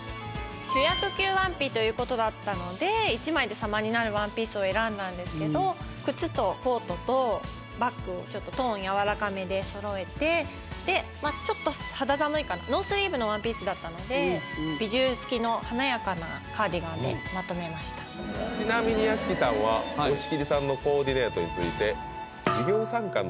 主役級ワンピということだったので１枚で様になるワンピースを選んだんですけど靴とコートとバッグをちょっとトーン柔らかめでそろえてちょっと肌寒いノースリーブのワンピースだったのでビジュー付きの華やかなカーディガンでまとめましたちなみに屋敷さんは押切さんのコーディネートについてはぁ？